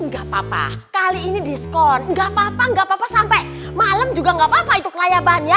gak papa kali ini diskon gak papa gak papa sampai malem juga gak papa itu kelayaban ya